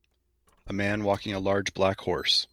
A man walking a large black horse.